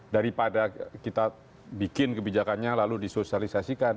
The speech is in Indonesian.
daripada kita bikin kebijakannya lalu disosialisasikan